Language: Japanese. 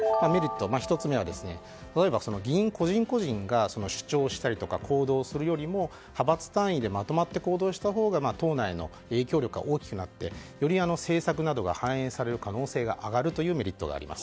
１つ目は議員個人個人が主張したりとか行動するよりも派閥単位でまとまって行動したほうが党内の影響力が大きくなってより政策などが反映される可能性が上がるというメリットがあります。